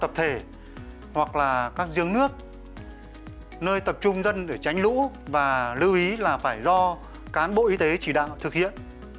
nước có thể hoặc là các giương nước nơi tập trung dân để tránh lũ và lưu ý là phải do cán bộ y tế chỉ đạo thực hiện